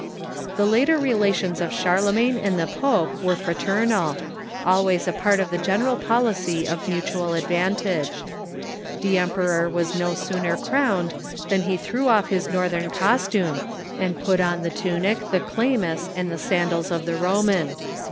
The later relations of Charlemagne and the pope were fra ternal— always a part of the general policy of mutual advan tage. The emperor was no sooner crowned than he threw off 110 THE MEDIAEVAL CHUKCH his Northern costume, and put on the tunic, the chlaniys, and .,„... the sandals of the Roman.